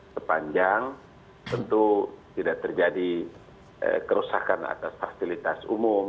sepanjang tentu tidak terjadi kerusakan atas fasilitas umum